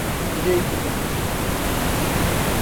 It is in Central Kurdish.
لێی بدەن.